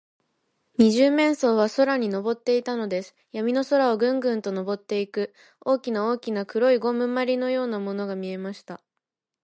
二十面相は空にのぼっていたのです。やみの空を、ぐんぐんとのぼっていく、大きな大きな黒いゴムまりのようなものが見えました。